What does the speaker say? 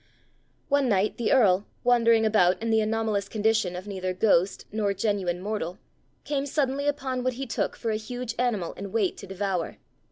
One night the earl, wandering about in the anomalous condition of neither ghost nor genuine mortal, came suddenly upon what he took for a huge animal in wait to devour.